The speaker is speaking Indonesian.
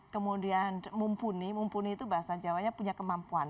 kemudian mumpuni mumpuni itu bahasa jawanya punya kemampuan